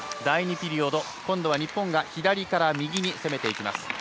第２ピリオド、今度は日本が左から右に攻めます。